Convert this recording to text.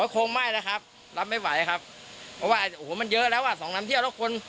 โค้งไม่แล้วครับรับไม่ไหวครับเพราะว่ามันเยอะแล้วอ่ะ๒นามเที่ยวแล้ว